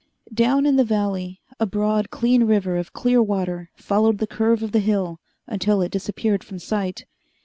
Down in the valley a broad, clean river of clear water followed the curve of the hill until it disappeared from sight.